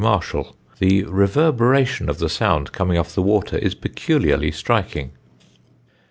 Marshall; the reverberation of the sound, coming off the water, is peculiarly striking."